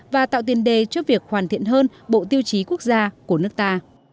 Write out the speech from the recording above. và tạo tiền đề cho việc hoàn thiện hơn bộ tiêu chí quốc gia của nước ta